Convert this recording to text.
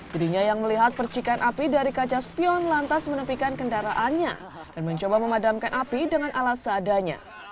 dirinya yang melihat percikan api dari kaca spion lantas menepikan kendaraannya dan mencoba memadamkan api dengan alat seadanya